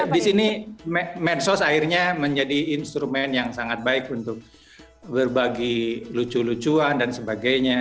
di sini medsos akhirnya menjadi instrumen yang sangat baik untuk berbagi lucu lucuan dan sebagainya